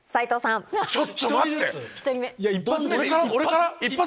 ちょっと待って⁉俺から？